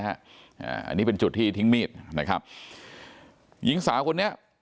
อันนี้เป็นจุดที่ทิ้งมีดนะครับหญิงสาวคนนี้